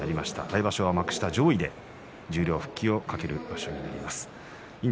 来場所は幕下上位で十両復帰を懸ける場所となります。